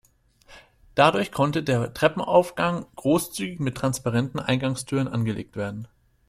Dadurch konnte der Treppenaufgang großzügig mit transparenten Eingangstüren angelegt werden.